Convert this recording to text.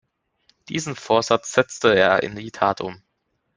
Diesen Vorsatz setzte er in die Tat um.